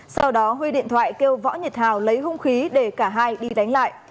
sau đó huy điện thoại kêu võ nhật hào lấy hung khí để cả hai đi đánh lại